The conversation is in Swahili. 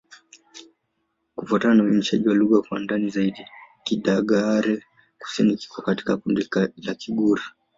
Kufuatana na uainishaji wa lugha kwa ndani zaidi, Kidagaare-Kusini iko katika kundi la Kigur.